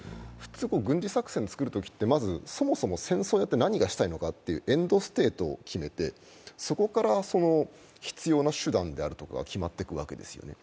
普通軍事作戦つくるときって、まずそもそも戦争で何がしたいのかというエンドステートを決めてそこから必要な手段であるとか決まっていくわけです。